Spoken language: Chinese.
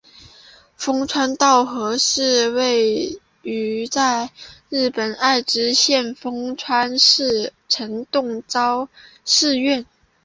丰川稻荷是位在日本爱知县丰川市的曹洞宗寺院。